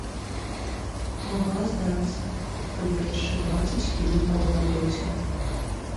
Магла здацца, калі б яшчэ дваццаць хвілін пабоўталася.